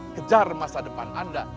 kejar masa depan anda